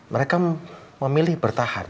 mereka memilih bertahan